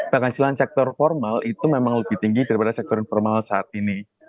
penghasilan sektor formal itu memang lebih tinggi daripada sektor informal saat ini